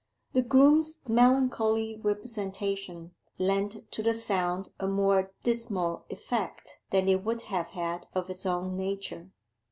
The groom's melancholy representation lent to the sound a more dismal effect than it would have had of its own nature.